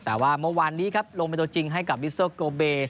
แต่ว่าเมื่อวานนี้ครับลงเป็นตัวจริงให้กับวิสเตอร์โกเบ